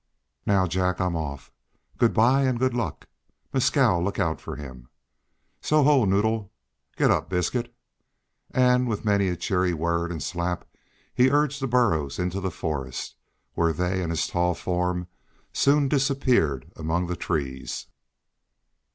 "Now, Jack, I'm off. Good bye and good luck. Mescal, look out for him.... So ho! Noddle! Getup! Biscuit!" And with many a cheery word and slap he urged the burros into the forest, where they and his tall form soon disappeared among the trees.